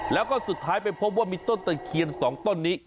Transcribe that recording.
แล้วก็สุดท้ายไปพบว่ามีต้นตะเคียน๒ต้นนี้